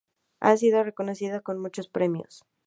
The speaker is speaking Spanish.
Ha sido reconocida con muchos premios.